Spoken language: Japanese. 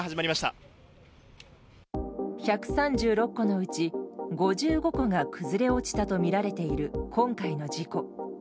１３６戸のうち５５戸が崩れ落ちたとみられている今回の事故。